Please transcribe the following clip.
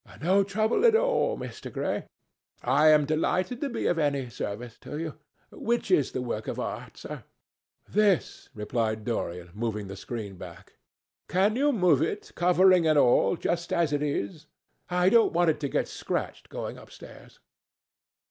"No trouble at all, Mr. Gray. I am delighted to be of any service to you. Which is the work of art, sir?" "This," replied Dorian, moving the screen back. "Can you move it, covering and all, just as it is? I don't want it to get scratched going upstairs."